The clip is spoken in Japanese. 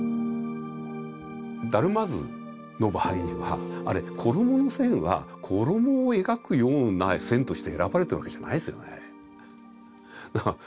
「達磨図」の場合にはあれ衣の線は衣を描くような線として選ばれたわけじゃないですよねあれ。